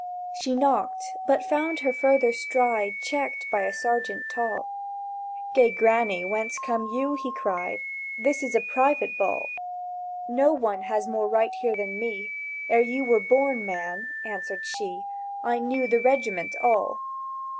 She knocked, but found her further stride Checked by a sergeant tall: "Gay Granny, whence come you?" he cried; "This is a private ball." —"No one has more right here than me! Ere you were born, man," answered she, "I knew the regiment all!"